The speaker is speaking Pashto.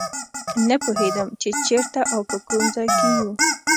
نه پوهېدم چې چېرته او په کوم ځای کې یو.